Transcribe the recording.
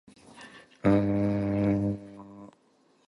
Merklynn - The wizard who occupies the shrine at Iron Mountain.